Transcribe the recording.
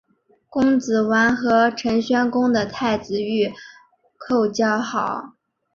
公子完和陈宣公的太子御寇交好。